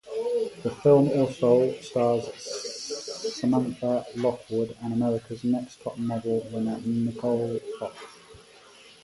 The film also stars Samantha Lockwood and America's Next Top Model winner Nicole Fox.